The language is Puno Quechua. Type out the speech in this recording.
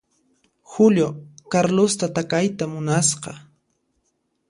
Julio Carlosta takayta munasqa.